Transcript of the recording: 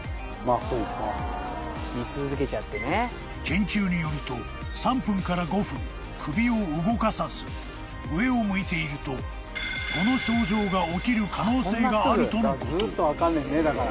［研究によると３分から５分首を動かさず上を向いているとこの症状が起きる可能性があるとのこと］